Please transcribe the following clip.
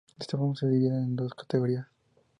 De esta forma se dividen en dos categorías.